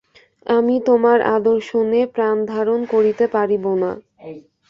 আমি তোমার অদর্শনে প্রাণধারণ করিতে পারিব না।